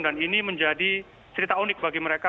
dan ini menjadi cerita unik bagi mereka